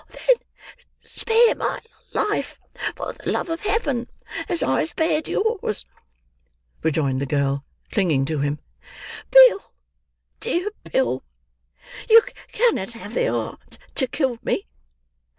"Then spare my life for the love of Heaven, as I spared yours," rejoined the girl, clinging to him. "Bill, dear Bill, you cannot have the heart to kill me.